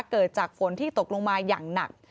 เกิดจากฝนที่ตกลงมาอย่างหนัก